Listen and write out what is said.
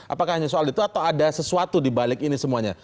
apakah hanya soal itu atau ada sesuatu dibalik ini semuanya